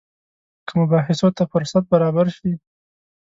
که مباحثو ته فرصت برابر شي.